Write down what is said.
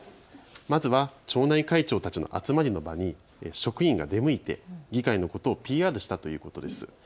まずは町内会長たちの集まりの場に職員が出向いて議会のことをＰＲしたということです。